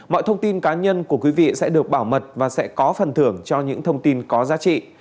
mọi thông tin cá nhân của quý vị sẽ được bảo mật và sẽ có phần thưởng cho những thông tin có giá trị